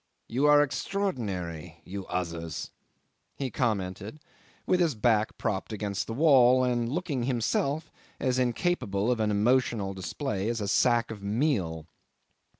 You are extraordinary you others," he commented, with his back propped against the wall, and looking himself as incapable of an emotional display as a sack of meal.